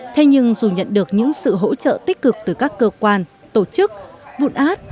thế nhưng dù nhận được những sự hỗ trợ tích cực từ các cơ quan tổ chức vụn át